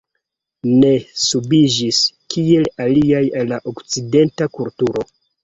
Ne subiĝis, kiel aliaj, al la okcidenta kulturo.